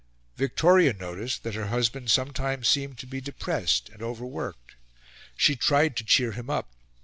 Victoria noticed that her husband sometimes seemed to be depressed and overworked. She tried to cheer him up.